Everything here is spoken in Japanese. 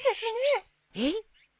えっ？